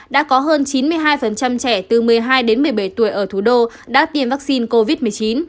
đã có hơn chín mươi hai trẻ từ một mươi hai đến một mươi bảy tuổi ở thủ đô đã tiêm vaccine covid một mươi chín